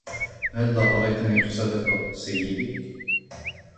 هلا أريتني رخصتك ، سيدي ؟